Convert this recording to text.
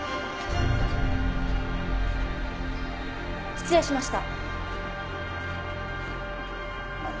失礼しました。